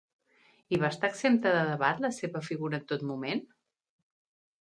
I va estar exempta de debat la seva figura en tot moment?